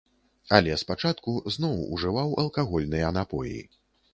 Але спачатку зноў ужываў алкагольныя напоі.